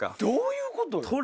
どういうことよ？